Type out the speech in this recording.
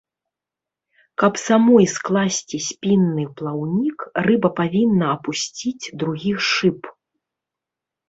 Каб самой скласці спінны плаўнік, рыба павінна апусціць другі шып.